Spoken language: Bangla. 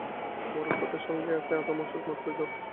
মরুপথে সঙ্গে আছে আধ-মশক মাত্র জল।